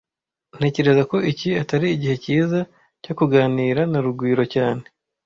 Ntekereza ko iki atari igihe cyiza cyo kuganira na Rugwiro cyane